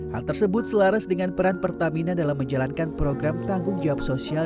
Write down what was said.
hal tersebut selaras dengan peran pertamina dalam menjalankan program tanggung jawab sosial